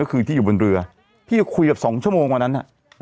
ก็คือที่อยู่บนเรือพี่คุยกับ๒ชั่วโมงกว่านั้น